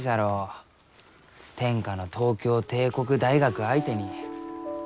天下の東京帝国大学相手に。